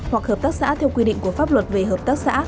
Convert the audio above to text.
hoặc hợp tác xã theo quy định của pháp luật về hợp tác xã